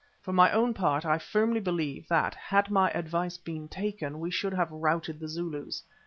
For my own part I firmly believe that had my advice been taken we should have routed the Zulus.